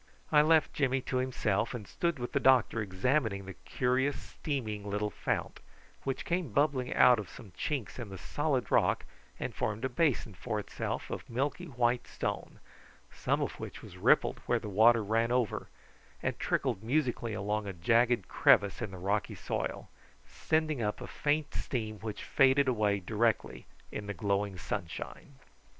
I left Jimmy to himself, and stood with the doctor examining the curious steaming little fount, which came bubbling out of some chinks in the solid rock and formed a basin for itself of milky white stone, some of which was rippled where the water ran over, and trickled musically along a jagged crevice in the rocky soil, sending up a faint steam which faded away directly in the glowing sunshine.